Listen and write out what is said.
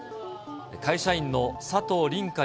会社員の佐藤凜果